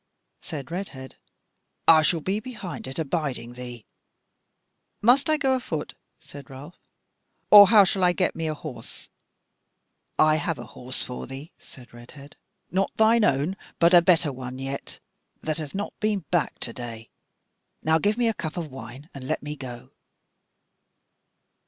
Said Redhead: "I shall be behind it abiding thee." "Must I go afoot?" said Ralph, "or how shall I get me a horse?" "I have a horse for thee," said Redhead, "not thine own, but a better one yet, that hath not been backed to day. Now give me a cup of wine, and let me go."